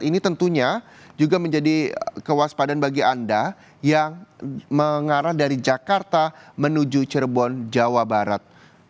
ini tentunya juga menjadi kewaspadaan bagi anda yang mengarah dari jakarta menuju cirebon jawa barat